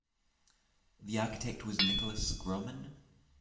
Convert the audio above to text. The architect was Nikolaus Gromann.